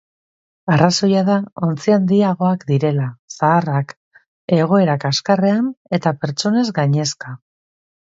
Arrazoia da ontzi handiagoak direla, zaharrak, egoera kaskarrean eta pertsonez gainezka.